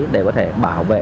để có thể bảo vệ